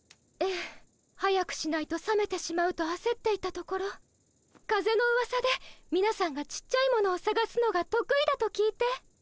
ええ。早くしないとさめてしまうとあせっていたところ風のうわさでみなさんがちっちゃいものをさがすのが得意だと聞いて。